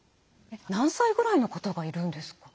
何歳ぐらいの方がいるんですか？